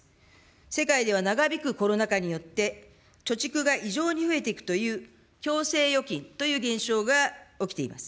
世界では長引くコロナ禍によって、貯蓄が異常に増えていくという強制預金という現象が起きています。